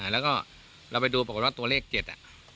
แล้วก็เราไปดูความจริงว่าตัวเลขเก็ต